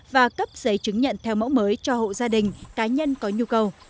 và cấp giấy chứng nhận theo mẫu mới cho hộ gia đình cá nhân có nhu cầu